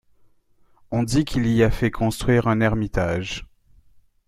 On dit qu'il y a fait construire un ermitage.